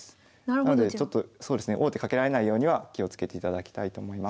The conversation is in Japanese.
なのでちょっと王手かけられないようには気をつけていただきたいと思います。